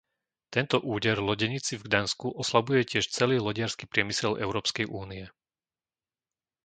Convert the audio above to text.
Tento úder lodenici v Gdansku oslabuje tiež celý lodiarsky priemysel Európskej únie.